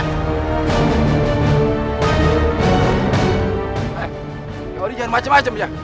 hei kio oding jangan macem macem ya